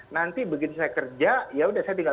nanti begitu saya kerja yaudah saya tinggal